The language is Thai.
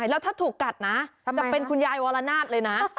แล้วถ้าถูกกัดนะจะเป็นคุณยายวรนาศเลยนะ